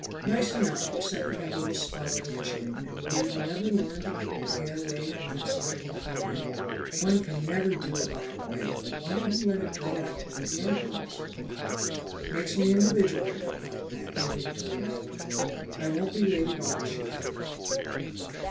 "Nice enough, except for that little spot on your chin, and will you never learn to keep your hair away from that side of your forehead? One can never do a bob right; why don't you let it grow out like the other girls?" "Makes me individual," replied Pat, moving toward the outer door. "I won't be late at all," she added.